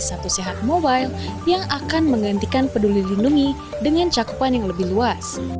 satu sehat mobile yang akan menggantikan peduli lindungi dengan cakupan yang lebih luas